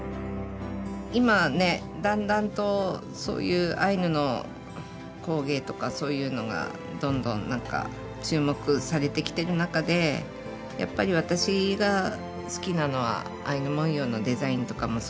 今ねだんだんとそういうアイヌの工芸とかそういうのがどんどんなんか注目されてきてる中でやっぱり私が好きなのはアイヌ文様のデザインとかもそうだし。